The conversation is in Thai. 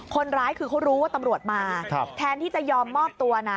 คนร้ายคือเขารู้ว่าตำรวจมาแทนที่จะยอมมอบตัวนะ